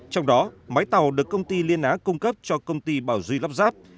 trong đó máy tàu được công ty liên á cung cấp cho công ty bảo duy lắp ráp